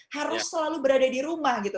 harus selalu berada di rumah gitu